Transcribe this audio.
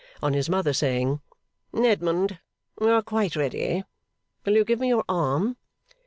On his mother saying, 'Edmund, we are quite ready; will you give me your arm?